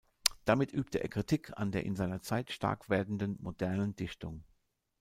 Damit übte er Kritik an der in seiner Zeit stark werdenden modernen Dichtung.